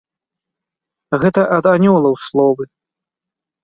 Гэта ад анёлаў словы.